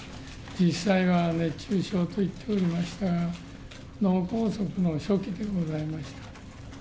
実際は熱中症といっておりましたが、脳梗塞の初期でございました。